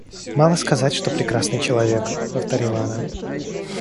Мало сказать, что прекрасный человек, — повторила она.